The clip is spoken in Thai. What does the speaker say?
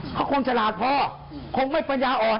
เขาคงฉลาดพอคงไม่ปัญญาอ่อน